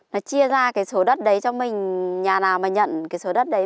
nó chia ra cái số đất đấy cho mình nhà nào mà nhận cái số đất đấy